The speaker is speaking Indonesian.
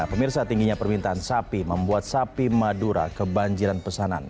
pemirsa tingginya permintaan sapi membuat sapi madura kebanjiran pesanan